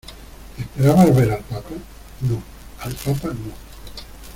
¿ esperabas ver al papa? no, al papa no.